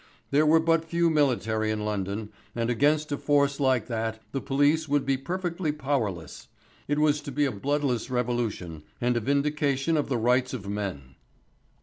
There were but few military in London, and against a force like that the police would be perfectly powerless. It was to be a bloodless revolution and a vindication of the rights of men.